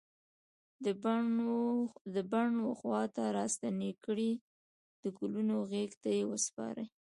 د بڼ و خواته راستنې کړي د ګلونو غیږ ته یې وسپاری